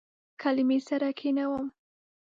کلمې سره کښینوم